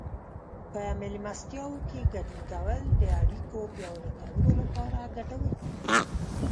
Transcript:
په مېلمستیاوو کې ګډون کول د اړیکو پیاوړي کولو لپاره ګټور دي.